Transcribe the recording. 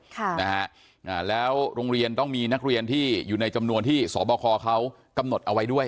ค่ะนะฮะอ่าแล้วโรงเรียนต้องมีนักเรียนที่อยู่ในจำนวนที่สบคเขากำหนดเอาไว้ด้วย